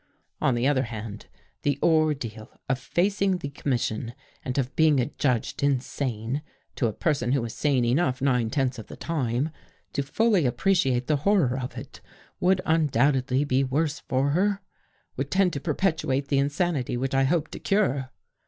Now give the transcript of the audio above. On the other hand, the ordeal of facing the commission and of being adjudged insane, to a person who was sane enough nine tenths of the time to fully appreciate the horror of it, would undoubt edly be worse for her, would tend to perpetuate the insanity which I hoped to cure.